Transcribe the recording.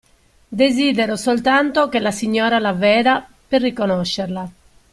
Desidero soltanto che la signora la veda, per riconoscerla.